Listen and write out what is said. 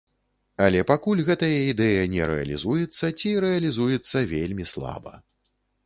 Але пакуль гэтая ідэя не рэалізуецца, ці рэалізуецца вельмі слаба.